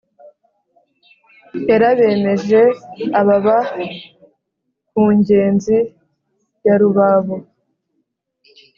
Yarabemeje ababa ku ngezi ya Rubabo